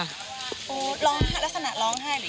รักษณะร้องไห้หรือยังไง